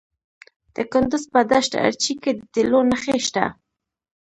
د کندز په دشت ارچي کې د تیلو نښې شته.